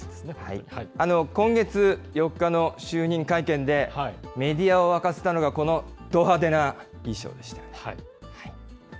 今週４日の就任会見で、メディアを沸かせたのが、このド派手な衣装でした。